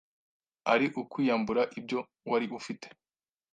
ari ukwiyambura ibyo wari ufite